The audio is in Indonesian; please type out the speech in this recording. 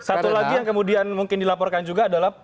satu lagi yang kemudian mungkin dilaporkan juga adalah